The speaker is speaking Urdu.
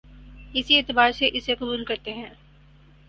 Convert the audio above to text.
اسی اعتبار سے اسے قبول کرتے ہیں